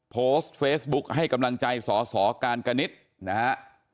โพสต์เฟซบุ๊คให้กำลังใจสสการกณิตนะฮะ